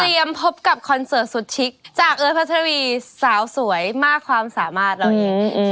เตรียมพบกับคอนเสิร์ตสุดชิคจากเอิ้นพัฒนาวีสาวสวยมากความสามารถเราอีก